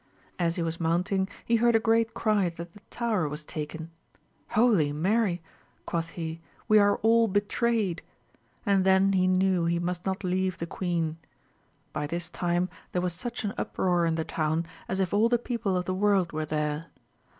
As he was mounting, he heard a great cry that the tower was taken. Holy Mary! quoth he, we are all betrayed ! and then he knew he must not leave the queen. By this time there was such an uproar in the town, as if all the people of the world were there.